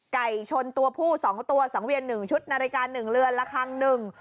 ไก่ชนตัวผู้๒ตัว๒เวียน๑ชุดนาฬิกา๑เรือนละครั้ง๑